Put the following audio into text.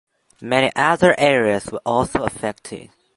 Many other areas were also affected.